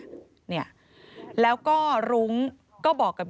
ที่อ๊อฟวัย๒๓ปี